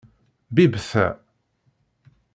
Bibb ta.